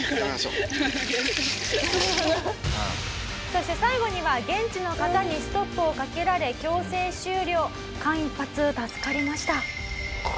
「そして最後には現地の方にストップをかけられ強制終了」「間一髪助かりました」